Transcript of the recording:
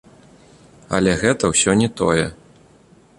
Але гэта ўсё не тое.